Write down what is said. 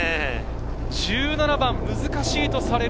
１７番、難しいとされる